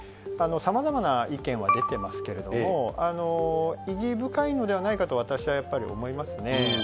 さまざまな意見は出ていますけれども、意義深いのではないかと私はやっぱり思いますね。